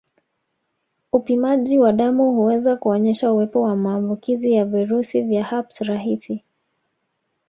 Upimaji wa damu huweza kuonyesha uwepo wa maambukizi ya virusi vya herpes rahisi